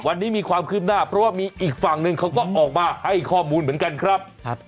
วันนี้มีความคืบหน้าเพราะว่ามีอีกฝั่งหนึ่งเขาก็ออกมาให้ข้อมูลเหมือนกันครับ